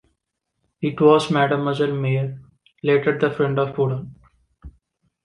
It was Mademoiselle Mayer, later the friend of Prudhon.